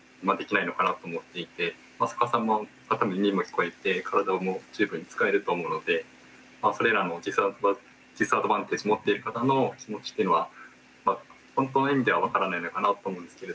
浅川さんも耳も聞こえて体も十分に使えると思うのでそれらのディスアドバンテージをもっている方の気持ちっていうのは本当の意味では分からないのかなと思うんですけれども。